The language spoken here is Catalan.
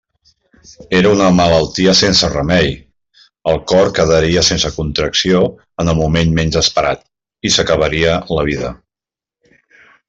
Era una malaltia sense remei; el cor quedaria sense contracció en el moment menys esperat, i s'acabaria la vida.